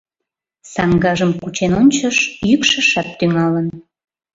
Саҥгажым кучен ончыш: йӱкшашат тӱҥалын.